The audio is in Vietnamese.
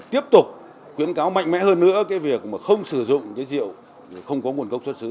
tiếp tục khuyến cáo mạnh mẽ hơn nữa cái việc mà không sử dụng cái rượu không có nguồn gốc xuất xứ